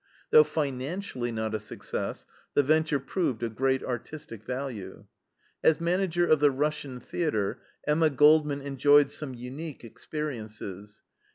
Though financially not a success, the venture proved of great artistic value. As manager of the Russian theater Emma Goldman enjoyed some unique experiences.